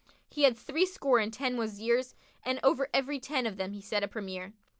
He had three score and ten Wazirs and over every ten of them he set a premier.